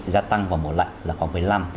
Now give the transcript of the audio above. gia tăng vào mùa lạnh là khoảng một mươi năm hai mươi